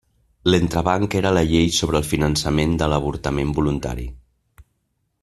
L'entrebanc era la llei sobre el finançament de l'avortament voluntari.